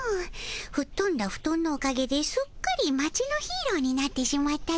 ふっとんだフトンのおかげですっかり町のヒーローになってしまったでおじゃる。